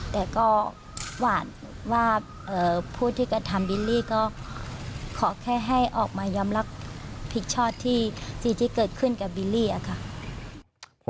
แต่ก็หวานว่าผู้ที่กระทำบิลลี่ก็ขอแค่ให้ออกมายอมรับผิดชอบที่เกิดขึ้นกับบิลลี่ค่ะ